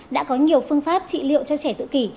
đã có nhiều phương pháp trị liệu cho trẻ tự kỷ